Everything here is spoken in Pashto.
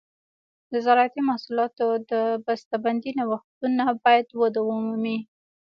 د زراعتي محصولاتو د بسته بندۍ نوښتونه باید وده ومومي.